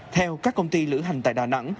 theo các công ty lữ hành tại đà nẵng